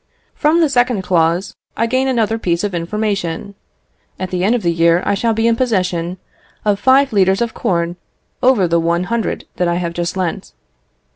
"From the second clause, I gain another piece of information. At the end of the year I shall be in possession of five litres of corn over the one hundred that I have just lent.